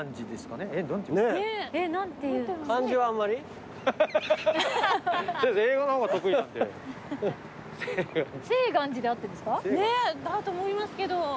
ねぇだと思いますけど。